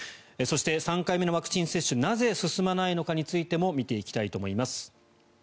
そして、３回目のワクチン接種なぜ進まないのかについても見ていきたいと思います。